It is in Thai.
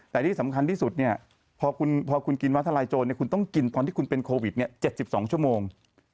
แต่ที่สำคัญที่สุดพอคุณกินวัทลายโจรคุณต้องกินตอนที่คุณเป็นโควิด๗๒ชั่วโมง